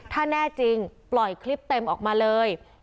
ถ้าแน่จริงปล่อยคลิปเต็มออกมาเลย